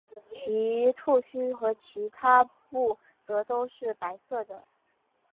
其触须和其他步足则都是白色的。